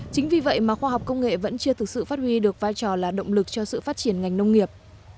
chính vì vậy mà khoa học công nghệ vẫn chưa thực sự phát huy được vai trò là động lực cho sự phát triển ngành nông nghiệp